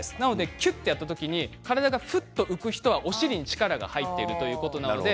きゅってやった時に体がフワッと浮く人はお尻に力が入っているということです。